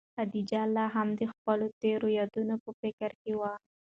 خدیجه لا هم د خپلو تېرو یادونو په فکر کې وه.